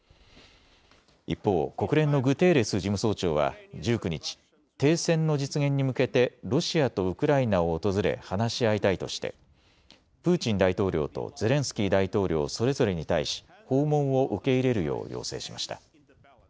一方、国連のグテーレス事務総長は１９日、停戦の実現に向けてロシアとウクライナを訪れ話し合いたいとしてプーチン大統領とゼレンスキー大統領それぞれに対し、訪問を受け入れるよう要請しました。